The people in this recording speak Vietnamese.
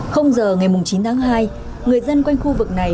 không giờ ngày chín tháng hai người dân quanh khu vực này